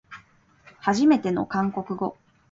はじめての韓国語